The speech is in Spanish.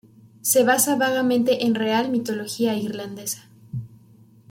Se basa vagamente en real mitología irlandesa.